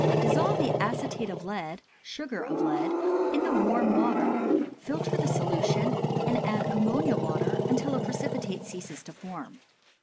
Dissolve the acetate of lead ("sugar of lead") in the warm water, filter the solution, and add ammonia water until a precipitate ceases to form.